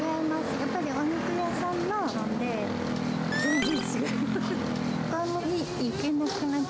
やっぱりお肉屋さんのなんで、全然違います。